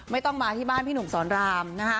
ไม่ต้องมาที่บ้านพี่หนุ่มสอนรามนะคะ